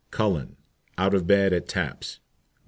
CULLEN. Out of bed at taps.